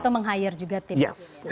atau meng hire juga tiba tiba